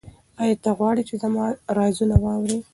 ایا ته غواړې چې زما رازونه واورې؟